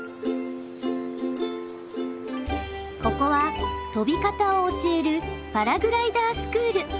ここは飛び方を教えるパラグライダースクール。